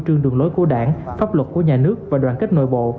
trương đường lối của đảng pháp luật của nhà nước và đoàn kết nội bộ